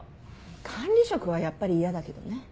管理職はやっぱり嫌だけどね。